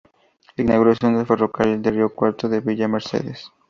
Inauguración del ferrocarril de Río Cuarto a Villa Mercedes.